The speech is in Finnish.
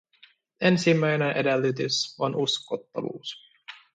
Ensimmäinen edellytys on uskottavuus.